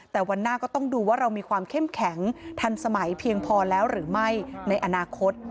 แต่วันหน้าก็ต้องดูว่าเรามีความเข้มแข็งทันสมัยเพียงพอแล้วหรือไม่ในอนาคต